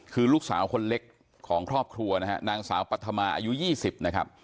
คือลูกสาวคนเล็กของครอบครัวนะฮะนางสาวปัธมาอายุ๒๐นะครับ